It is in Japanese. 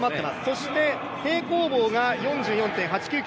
そして平行棒が４４．８９９